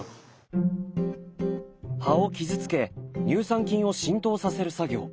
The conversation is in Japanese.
葉を傷つけ乳酸菌を浸透させる作業。